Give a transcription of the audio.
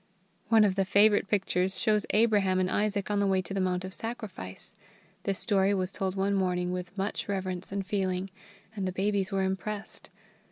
One of the favourite pictures shows Abraham and Isaac on the way to the mount of sacrifice. This story was told one morning with much reverence and feeling, and the babies were impressed.